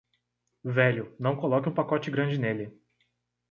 Velho, não coloque um pacote grande nele.